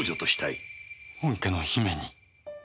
本家の姫に。